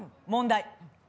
問題！